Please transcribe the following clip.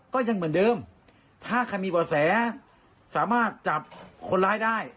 ก็ยังเหมือนเดิมถ้าใครมีบ่อแสสามารถจับคนร้ายได้